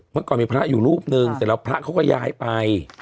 เมื่อก่อนมีพระอยู่รูปนึงแต่พระเขาก็ยายไป